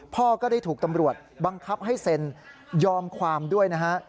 พ่อก็ได้ถูกตำรวจบังคับให้เซ็นยอมความด้วยนะฮะ